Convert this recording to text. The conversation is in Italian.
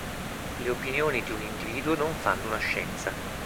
Le opinioni di un individuo non fanno una scienza.